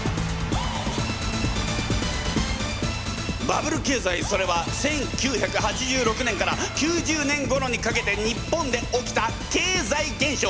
バブル経済それは１９８６年から９０年ごろにかけて日本で起きた経済現象。